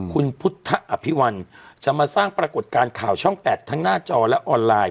คุณพุทธอภิวัลจะมาสร้างปรากฏการณ์ข่าวช่อง๘ทั้งหน้าจอและออนไลน์